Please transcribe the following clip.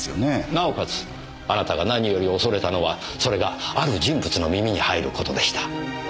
なおかつあなたが何より恐れたのはそれがある人物の耳に入る事でした。